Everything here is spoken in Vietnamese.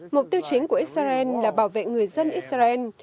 mục tiêu chính của israel là bảo vệ người dân israel